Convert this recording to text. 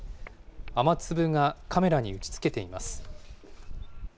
雨粒がカメラに打ちつけています。